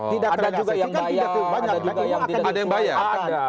tidak terrealisasi kan tidak banyak